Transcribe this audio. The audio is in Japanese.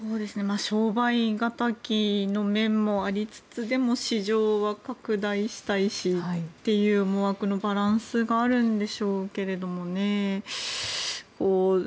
商売敵の面もありつつでも、市場は拡大したいしっていう思惑のバランスがあるんでしょうけれどね。